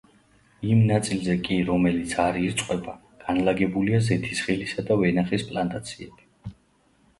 იმ ნაწილზე კი რომელიც არ ირწყვება, განლაგებულია ზეთისხილისა და ვენახის პლანტაციები.